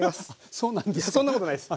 そんなことないです！